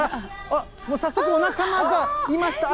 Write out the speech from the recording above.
あっ、早速お仲間がいました。